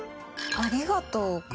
「ありがとう」か。